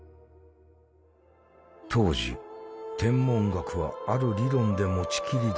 当時天文学はある理論で持ちきりだった。